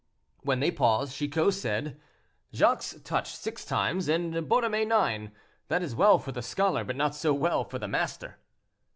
When they paused, Chicot said, "Jacques touched six times and Borromée nine; that is well for the scholar, but not so well for the master."